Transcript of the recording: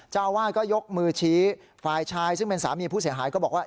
เจ้าอาวาสก็ยกมือชี้ฝ่ายชายซึ่งเป็นสามีผู้เสียหายก็บอกว่า